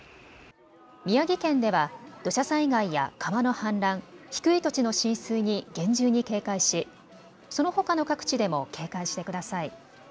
宮城県では土砂災害や川の氾濫、低い土地の浸水に厳重に警戒しそのほかの各地でも警戒してください。